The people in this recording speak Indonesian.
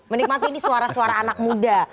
menikmati ini suara suara anak muda